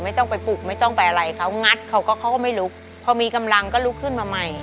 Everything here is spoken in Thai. ไม่ต้องไปปลุกไม่ต้องไปอะไรเขางัดเขาก็เขาก็ไม่ลุกพอมีกำลังก็ลุกขึ้นมาใหม่